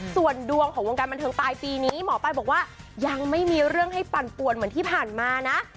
ส่วนดวงของวงการบันเทิงปลายปีนี้หมอปลายบอกว่ายังไม่มีเรื่องให้ปั่นป่วนเหมือนที่ผ่านมานะ